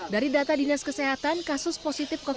dari data dinas kesehatan kasus positif covid sembilan belas